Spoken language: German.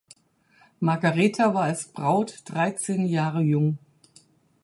Margaretha war als Braut dreizehn Jahre jung.